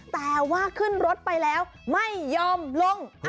แต่ว่าขึ้นรถไปแล้วไม่ยอมลง